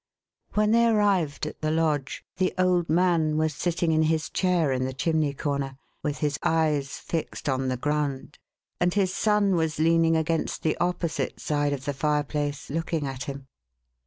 When they arrived at the Lodge, tfye old man was sitting in his chair in the chimney corner, with his eyes fixed on the ground, and his son was leaning against the opposite side of the fireplace, looking at him.